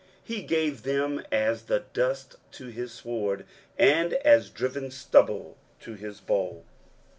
he gave them as the dust to his sword, and as driven stubble to his bow.